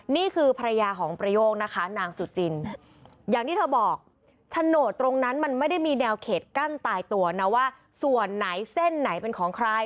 นี่คือภรรยาของประโยคนะคะนางสุจินอย่างที่เธอบอกโฉนดตรงนั้นมันไม่ได้มีแนวเขตกั้นตายตัวนะว่าส่วนไหนเส้นไหนเป็นของใคร